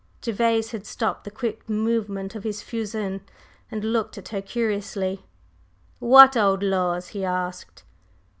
Gervase had stopped the quick movement of his "fusin," and looked at her curiously. "What old laws?" he asked.